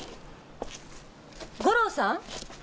五郎さん？